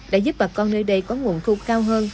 đã giúp bà con nơi đây có nguồn thu cao hơn